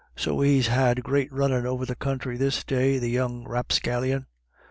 So he's had great runnin' over the counthry this day, the young/apscallion."